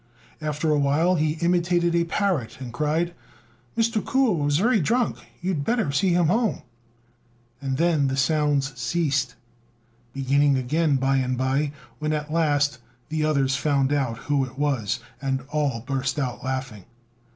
After a while he imitated a parrot, and cried, "Mr. Kuo is very drunk: you'd better see him home;" and then the sounds ceased, beginning again by and by, when at last the others found out who it was, and all burst out laughing.